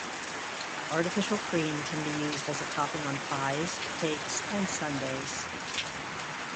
Artificial cream can be used as a topping on pies, cakes and sundaes.